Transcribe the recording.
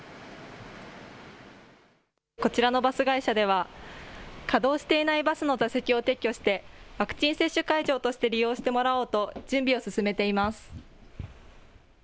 こちらのバス会社では、稼働していないバスの座席を撤去して、ワクチン接種会場として利用してもらおうと、準備を進めています。